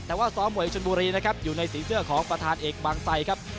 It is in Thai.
แต่ว่าซ้อมมวยชนบุรีนะครับอยู่ในสีเสื้อของประธานเอกบางไซครับ